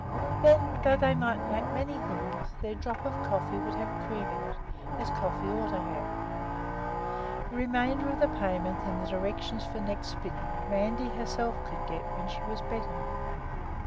Then, though they still might lack many things, their drop of coffee could have cream in it, as coffee ought to have. The remainder of the payment and the directions for the next spinning Randi herself could get when she was better.